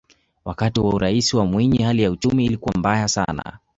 wakati wa uraisi wa mwinyi hali ya uchumi ilikuwa mbaya sana